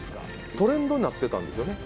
トレンドになってたんですよね。